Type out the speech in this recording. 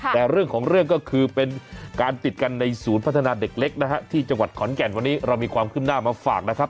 แต่เรื่องของเรื่องก็คือเป็นการติดกันในศูนย์พัฒนาเด็กเล็กนะฮะที่จังหวัดขอนแก่นวันนี้เรามีความขึ้นหน้ามาฝากนะครับ